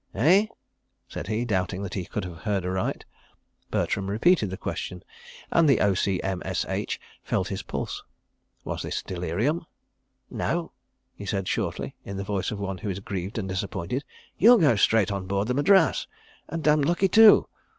"Eh?" said he, doubting that he could have heard aright. Bertram repeated the question, and the O.C., M.S.H., felt his pulse. Was this delirium? "No," he said shortly in the voice of one who is grieved and disappointed. "You'll go straight on board the Madras—and damned lucky too.